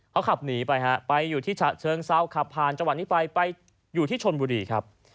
เขาขับหนีไปฮะไปอยู่ที่ฉะเชิงเซาขับผ่านจังหวัดนี้ไปไปอยู่ที่ชนบุรีครับ